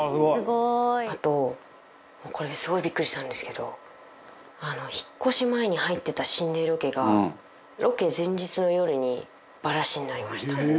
あとこれすごいビックリしたんですけど引っ越し前に入ってた心霊ロケがロケ前日の夜にバラシになりました。